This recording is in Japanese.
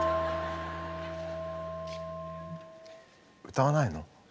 歌わないの？